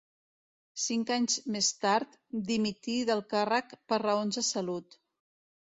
Cinc anys més tard, dimití del càrrec per raons de salut.